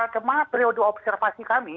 kemah periodo observasi kami